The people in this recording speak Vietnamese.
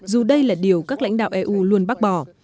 dù đây là điều các lãnh đạo eu luôn bác bỏ